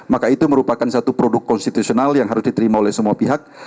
maka itu merupakan satu produk konstitusional yang harus diterima oleh semua pihak